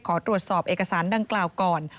ขอตรวจสอบเอกสารดังกล่าวก่อน